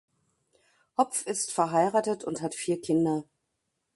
Hopf ist verheiratet und hat vier Kinder.